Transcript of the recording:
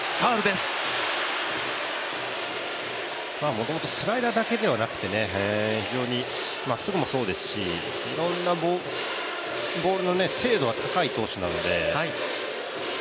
もともとスライダーだけではなくて、まっすぐもそうですしいろんなボールの精度は高い投手なので。